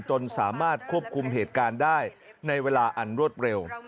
จนสามารถควบคุมเหตุการณ์ได้ในเวลาอันรวดเร็ว